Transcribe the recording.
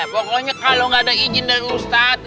pokoknya kalau gak ada izin dari ustaz